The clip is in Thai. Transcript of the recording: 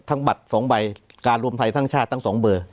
ทั้งบัตรสองใบการรวมไทยสร้างชาติตั้งสองเบอร์